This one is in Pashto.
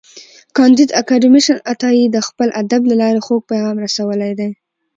کانديد اکاډميسن عطایي د خپل ادب له لارې خوږ پیغام رسولی دی.